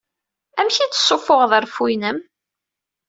Amek i d-ssufuɣeḍ reffu-inem?